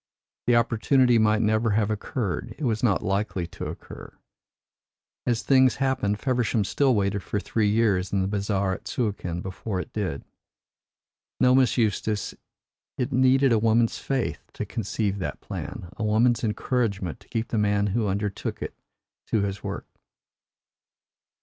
The opportunity might never have occurred it was not likely to occur. As things happened, Feversham still waited for three years in the bazaar at Suakin before it did. No, Miss Eustace, it needed a woman's faith to conceive that plan a woman's encouragement to keep the man who undertook it to his work."